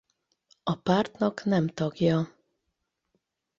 A pártnak nem tagja.